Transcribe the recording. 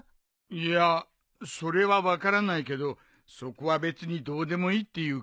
いやそれは分からないけどそこは別にどうでもいいっていうか。